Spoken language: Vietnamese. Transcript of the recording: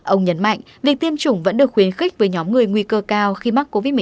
ông nhấn mạnh việc tiêm chủng vẫn được khuyến khích với nhóm người nguy cơ cao khi mắc covid một mươi chín